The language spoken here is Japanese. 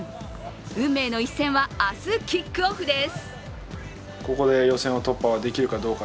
運命の一戦は明日、キックオフです。